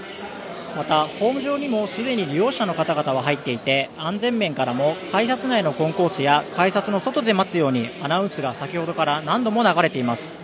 また、ホーム上にもすでに利用者の方々が入っていて安全面からも改札内のコンコースや改札の外で待つようにアナウンスが先ほどから何度も流れています。